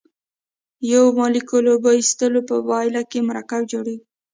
د یو مالیکول اوبو ایستلو په پایله کې مرکب جوړیږي.